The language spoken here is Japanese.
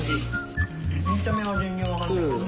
見た目は全然分かんないけどね。